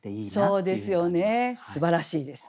そうですよねすばらしいです。